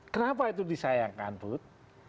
kenapa itu disayangkan bud